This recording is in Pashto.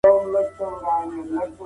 اې جانانه ځكه مو